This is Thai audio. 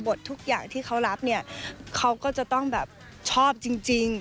ทุกอย่างที่เขารับเนี่ยเขาก็จะต้องแบบชอบจริง